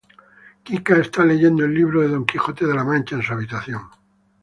Kika está leyendo el libro de Don Quijote de la Mancha en su habitación.